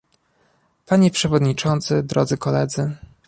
Panie przewodniczący, drodzy koledzy